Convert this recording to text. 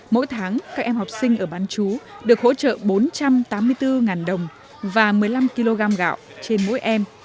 mỗi tháng các em học sinh ở bán chú được hỗ trợ bốn trăm tám mươi bốn đồng và một mươi năm kg gạo trên mỗi em